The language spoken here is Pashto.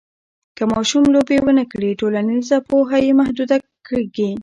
که ماشوم لوبې ونه کړي، ټولنیزه پوهه یې محدوده کېږي.